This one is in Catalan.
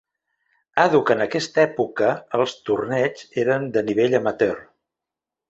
Àdhuc en aquesta època els torneigs eren de nivell amateur.